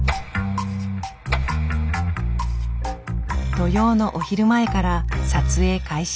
土曜のお昼前から撮影開始。